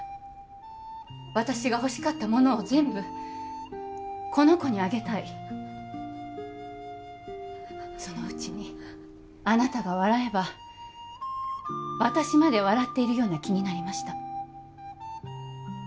私が欲しかったものを全部この子にあげたいそのうちにあなたが笑えば私まで笑っているような気になりました